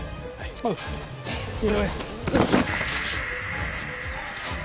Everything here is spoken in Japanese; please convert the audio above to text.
おい井上。